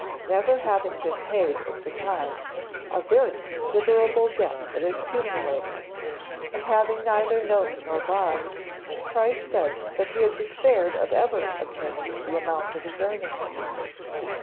Never having been paid at the time, a very considerable debt had accumulated, and having neither note nor bond, Price said that he had despaired of ever obtaining the amount of his earnings.